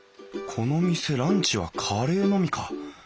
この店ランチはカレーのみか。